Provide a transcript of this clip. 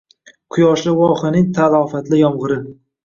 Quyoshli vohaning talafotli yomg‘iri